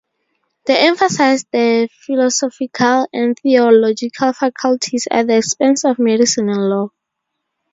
They emphasized the philosophical and theological faculties at the expense of medicine and law.